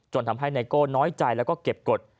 จนทำให้ไนโก้น้อยใจและเก็บกฎ